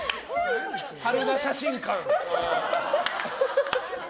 春菜写真館。